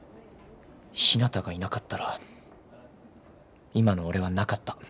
ひなたがいなかったら今の俺はなかった。